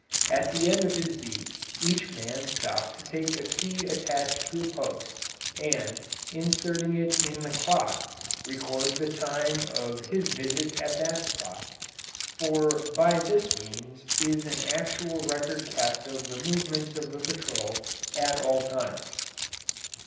At the end of his beat each man stopped to take a key attached to a post, and, inserting it in the clock, record the time of his visit at that spot, for by this means is an actual record kept of the movements of the patrol at all times.